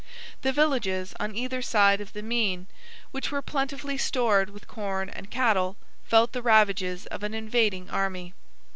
The villages on either side of the Meyn, which were plentifully stored with corn and cattle, felt the ravages of an invading army.